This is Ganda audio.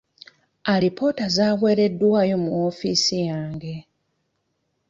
Alipoota zaaweereddwayo mu woofiisi yange.